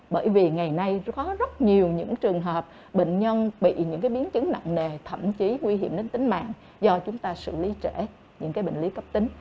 bởi vì ngày nay có rất nhiều những trường hợp bệnh nhân bị những biến chứng nặng nề thậm chí nguy hiểm đến tính mạng do chúng ta xử lý trẻ những bệnh lý cấp tính